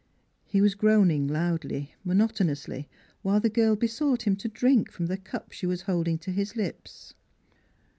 He was groaning loudly, monotonously, while the girl besought him to drink from the cup she was holding to his lips.